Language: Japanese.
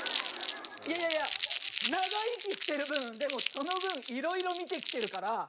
いやいやいや長生きしてる分でもその分いろいろ見てきてるから。